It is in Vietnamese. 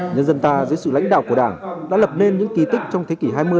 nhân dân ta dưới sự lãnh đạo của đảng đã lập nên những kỳ tích trong thế kỷ hai mươi